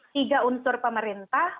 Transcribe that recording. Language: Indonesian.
tiga unsur pemerintah